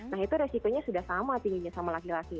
nah itu resikonya sudah sama tingginya sama laki laki